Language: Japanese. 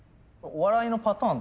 お笑いのパターン？